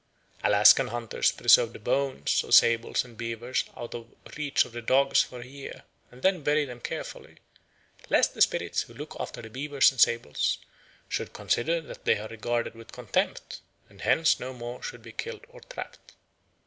Alaskan hunters preserve the bones of sables and beavers out of reach of the dogs for a year and then bury them carefully, "lest the spirits who look after the beavers and sables should consider that they are regarded with contempt, and hence no more should be killed or trapped."